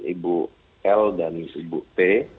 ibu l dan ibu t